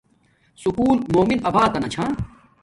سکُول مومن آباتنا چھا